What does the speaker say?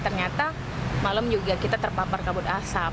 ternyata malam juga kita terpapar kabut asap